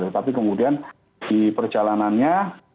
tapi kemudian di perjalanannya